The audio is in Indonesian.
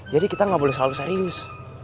jadi kita gak boleh selalu serius